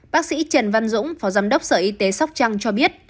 bác sĩ trần văn dũng phó giám đốc sở y tế sóc trăng cho biết